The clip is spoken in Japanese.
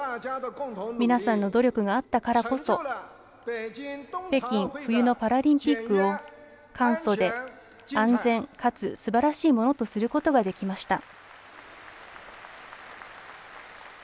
皆さんの努力があったからこそ北京冬のパラリンピックを簡素で安全かつすばらしいものとすることができました。